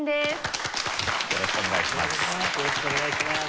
よろしくお願いします。